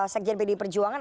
sekjen bd perjuangan